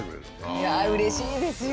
いやうれしいですよ！